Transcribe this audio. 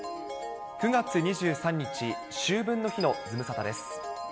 ９月２３日、秋分の日のズムサタです。